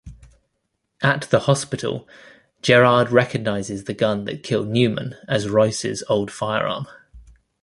At the hospital, Gerard recognizes the gun that killed Newman as Royce's old firearm.